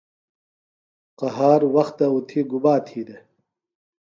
قہار وختہ اُتھیۡ گُبا تھی دےۡ؟